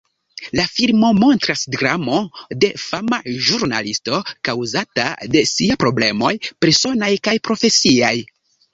La filmo montras dramo de fama ĵurnalisto kaŭzata de sia problemoj personaj kaj profesiaj.